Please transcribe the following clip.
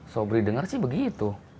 sobri dengar sih begitu